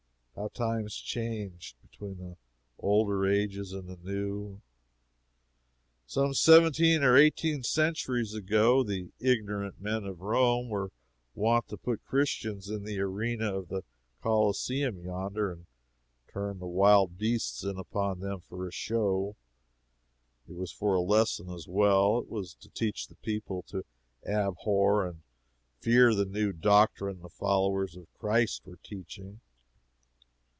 How times changed, between the older ages and the new! Some seventeen or eighteen centuries ago, the ignorant men of Rome were wont to put Christians in the arena of the Coliseum yonder, and turn the wild beasts in upon them for a show. It was for a lesson as well. It was to teach the people to abhor and fear the new doctrine the followers of Christ were teaching.